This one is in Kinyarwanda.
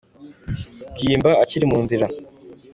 Bwimba akiri mu nzira.